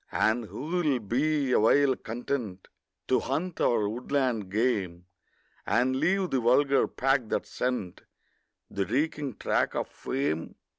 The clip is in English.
And who will be awhile content To hunt our woodland game, And leave the vulgar pack that scent The reeking track of fame?